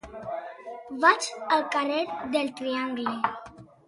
Vaig al carrer del Triangle.